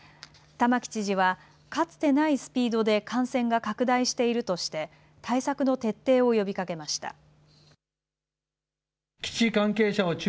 玉城知事はかつてないスピードで感染が拡大しているとして対策の徹底を呼びかけました。